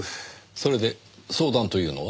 それで相談というのは？